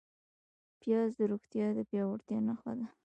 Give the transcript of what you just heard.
پیاز د روغتیا د پیاوړتیا نښه ده